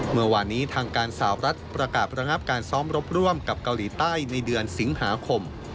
เมื่อวานนี้ทางการสาวรัฐประกาศระงับการซ้อมรบร่วมกับเกาหลีใต้ในเดือนสิงหาคม